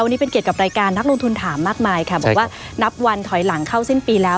วันนี้เป็นเกียรติกับรายการนักลงทุนถามมากมายค่ะบอกว่านับวันถอยหลังเข้าสิ้นปีแล้ว